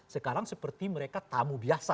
sekarang seperti mereka tamu biasa